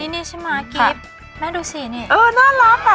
นี่เนี่ยใช่ไหมกิ๊บแม่ดูสิมั๊ยเออน่ารับค่ะ